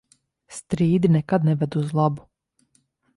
Strīdi nekad neved uz labu.